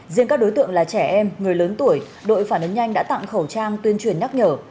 riêng các đối tượng là trẻ em người lớn tuổi đội phản ứng nhanh đã tặng khẩu trang tuyên truyền nhắc nhở